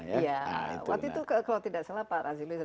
iya waktu itu kalau tidak salah pak razilis